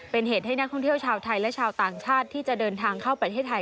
เป็นเหตุให้นักท่องเที่ยวชาวไทยและชาวต่างชาติที่จะเดินทางเข้าประเทศไทย